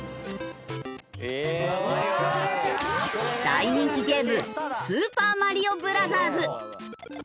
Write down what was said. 大人気ゲーム『スーパーマリオブラザーズ』。